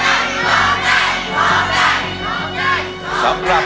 จะใช้หรือไม่ใช้ครับ